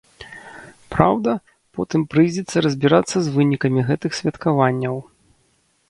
Праўда, потым прыйдзецца разбірацца з вынікамі гэтых святкаванняў.